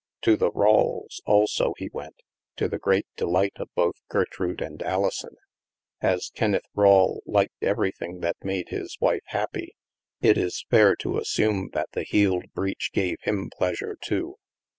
To the Rawles' also he went, to the great delight of both Gertrude and Alison. As Kenneth Rawle liked everything that made his wife happy, it is fair to asstune that the healed breach gave him pleas sure too.